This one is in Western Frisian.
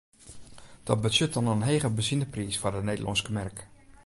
Dat betsjut dan in hege benzinepriis foar de Nederlânske merk.